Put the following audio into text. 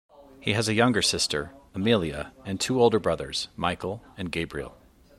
He has a younger sister, Amelia, and two older brothers, Michael and Gabriel.